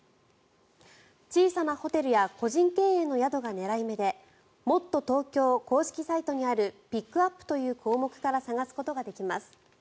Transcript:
小さなホテルや個人経営の宿が狙い目でもっとＴｏｋｙｏ公式サイトにあるピックアップという項目から探すことができます。